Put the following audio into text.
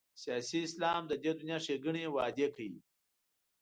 سیاسي اسلام د دې دنیا ښېګڼې وعدې کوي.